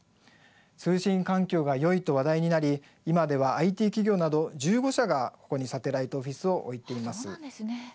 通信環境がよいと話題になり今ではＩＴ企業など１５社がここにサテライトオフィスを置いています。